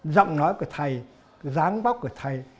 giọng nói của thầy giáng bóc của thầy